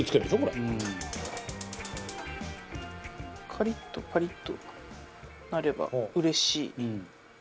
カリッとパリッとなればうれしい。